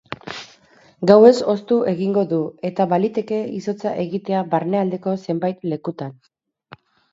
Gauez hoztu egingo du, eta baliteke izotza egitea barnealdeko zenbait lekutan.